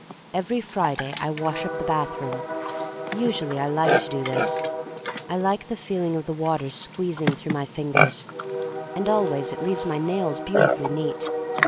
Every Friday I wash up the bath room. Usually I like to do this. I like the feeling of the water squeezing through my fingers, and always it leaves my nails beautifully neat.